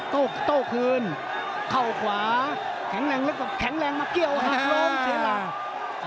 โต้โต้คืนเข้าขวาแข็งแรงแล้วก็แข็งแรงมาเกี่ยวหักลง